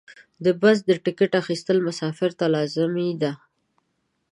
د بس د ټکټ اخیستل مسافر ته لازمي دي.